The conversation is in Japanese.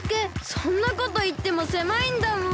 そんなこといってもせまいんだもん。